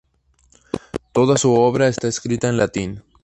Toda su obra está escrita en latín.